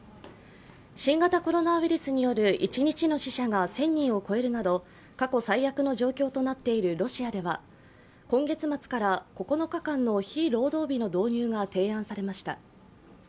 新型コロナウイルスによる一日の死者が１０００人を超えるなど過去最悪の状況となっているロシアでは今月末から９日間の非労働日の導入が提案されました。